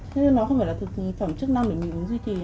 thế nên nó không phải là thực phẩm chức năng để mình uống duy trì ạ